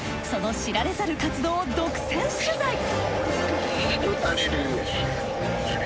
その知られざる活動を独占取材！